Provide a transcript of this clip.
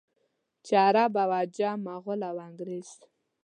چې عرب او عجم، مغل او انګرېز.